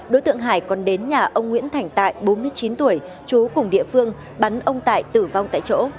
đối tượng hải còn đến nhà ông nguyễn thành tại bốn mươi chín tuổi chú cùng địa phương bắn ông tại tử vong tại chỗ